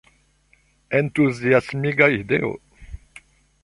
Entuziasmiga ideo….